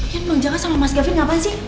yang menjaga sama mas gavine ngapain sih